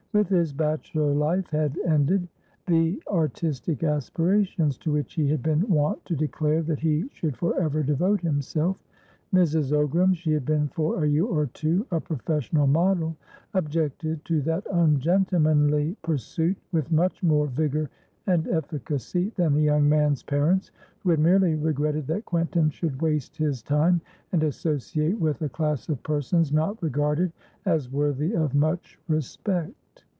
With his bachelor life had ended the artistic aspirations to which he had been wont to declare that he should for ever devote himself; Mrs. Ogram (she had been for a year or two a professional model) objected to that ungentlemanly pursuit with much more vigour and efficacy than the young man's parents, who had merely regretted that Quentin should waste his time and associate with a class of persons not regarded as worthy of much respect.